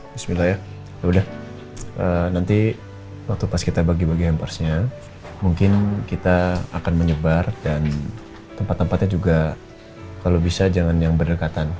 bismillah ya udah nanti waktu pas kita bagi bagi hampers nya mungkin kita akan menyebar dan tempat tempatnya juga kalau bisa jalan yang berdekatan